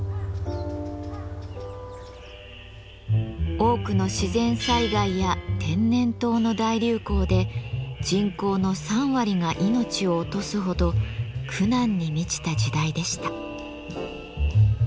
多くの自然災害や天然痘の大流行で人口の３割が命を落とすほど苦難に満ちた時代でした。